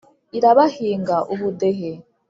Irabahinga ubudehe,